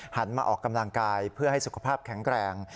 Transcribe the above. มาออกกำลังกายเพื่อให้สุขภาพแข็งแรง